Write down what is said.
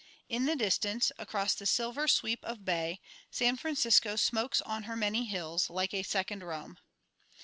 In the distance, across the silver sweep of bay, San Francisco smokes on her many hills like a second Rome.